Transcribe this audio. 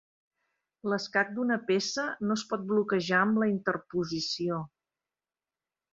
L'escac d'una peça no es pot bloquejar amb la interposició.